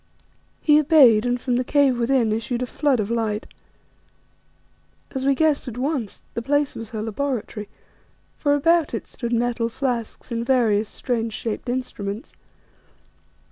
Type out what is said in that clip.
He obeyed, and from the cave within issued a flood of light. As we guessed at once, the place was her laboratory, for about it stood metal flasks and various strange shaped instruments.